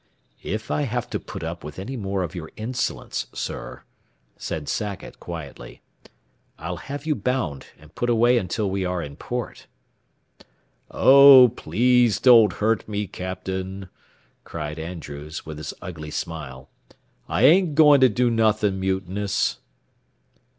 "If I have to put up with any more of your insolence, sir," said Sackett, quietly, "I'll have you bound and put away until we are in port." "Oh, please don't hurt me, captain," cried Andrews, with his ugly smile. "I ain't going to do nothing mutinous."